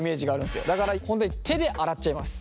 だから本当に手で洗っちゃいます。